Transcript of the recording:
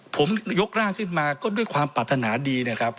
ผมยกร่างขึ้นมาก็ด้วยความปรารถนาดีนะครับ